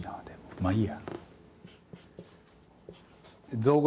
まあいいや。